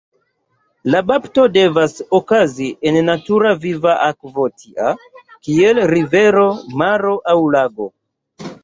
La bapto devas okazi en natura viva akvo tia, kiel rivero, maro, aŭ lago.